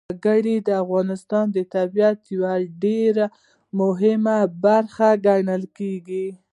وګړي د افغانستان د طبیعت یوه ډېره مهمه برخه ګڼل کېږي.